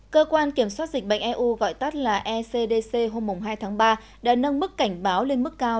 cơ quan kiểm soát dịch bệnh eu gọi tắt là ecdc hôm hai tháng ba đã nâng mức cảnh báo lên mức cao